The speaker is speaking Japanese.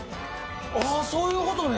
あっそういうことね。